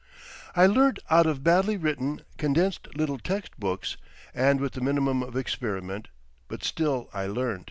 I learnt out of badly written, condensed little text books, and with the minimum of experiment, but still I learnt.